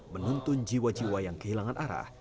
menuntun jiwa jiwa yang kehilangan arah